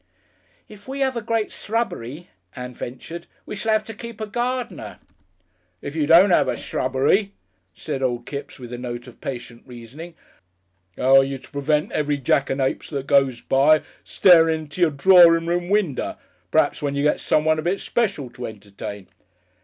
"If we 'ave a great s'rubbery," Ann ventured, "we shall 'ave to keep a gardener." "If you don't 'ave a s'rubbery," said old Kipps, with a note of patient reasoning, "'ow are you to prevent every jackanapes that goes by, starin' into your drorin' room winder p'raps when you get someone a bit special to entertain?"